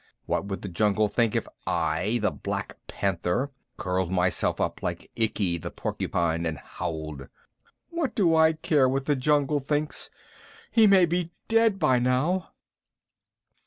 What would the jungle think if I, the Black Panther, curled myself up like Ikki the Porcupine, and howled?" "What do I care what the jungle thinks? He may be dead by now."